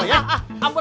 tadi kita dindir